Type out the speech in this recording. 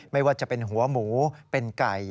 ไม่ว่าจะเป็นหัวหมูเป็นไก่